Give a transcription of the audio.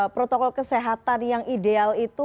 protokol kesehatan yang ideal itu